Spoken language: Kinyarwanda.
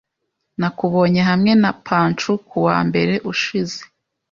Nakubonye hamwe na Pancu kuwa mbere ushize.